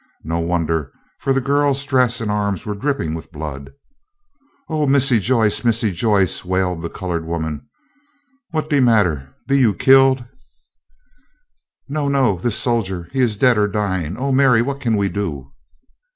No wonder, for the girl's dress and arms were dripping with blood. "Oh! Missy Joyce! Missy Joyce!" wailed the colored woman, "what's de mattah? Be yo' killed?" "No, no, this soldier—he is dead or dying. Oh, Mary, what can we do?"